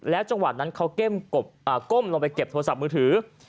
จังหวะนั้นเขาก้มลงไปเก็บโทรศัพท์มือถือ